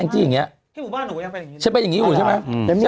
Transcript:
แอลกี้อย่างนี้ที่หมู่บ้านหนูยังเป็นอย่างนี้ใช่เป็นอย่างนี้อยู่ใช่ไหมไม่มีเมน